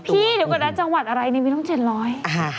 พี่เดี๋ยวก็ได้จังหวัดอะไรในวิดีโลก๗๐๐